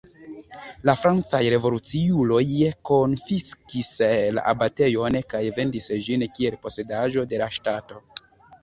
La francaj revoluciuloj konfiskis la abatejon kaj vendis ĝin kiel posedaĵo de la ŝtato.